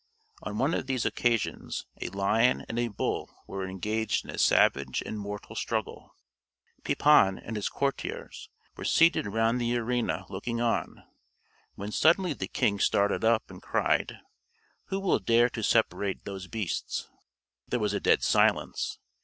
On one of these occasions a lion and a bull were engaged in a savage and mortal struggle. Pepin and his courtiers were seated round the arena looking on, when suddenly the king started up, and cried: "Who will dare to separate those beasts?" There was a dead silence.